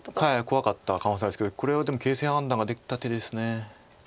怖かった可能性あるですけどこれはでも形勢判断ができた手です。